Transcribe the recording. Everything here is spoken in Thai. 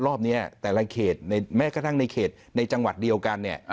รอบนี้แต่ละเขตแม้กระทั่งในเขตในจังหวัดเดียวกันเนี่ย